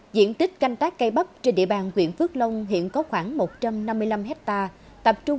diện tích canh tác cây bắp trên địa bàn quyện phước long hiện có khoảng một trăm năm mươi năm hectare